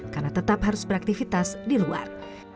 karena tetap harus beraktivitas di luar